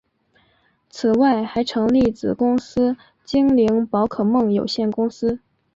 此外还成立子公司精灵宝可梦有限公司。